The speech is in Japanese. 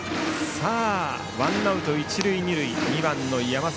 ワンアウト、一塁二塁で２番の山里。